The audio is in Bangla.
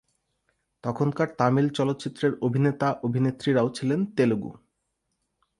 তখনকার তামিল চলচ্চিত্রের অভিনেতা-অভিনেত্রীরাও ছিলেন তেলুগু।